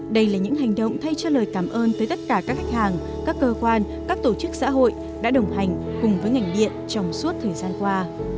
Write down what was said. đây là những hành động thay cho lời cảm ơn tới tất cả các khách hàng các cơ quan các tổ chức xã hội đã đồng hành cùng với ngành điện trong suốt thời gian qua